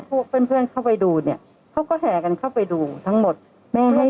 เพื่อนเพื่อนเข้าไปดูเนี่ยเขาก็แห่กันเข้าไปดูทั้งหมดแม่ให้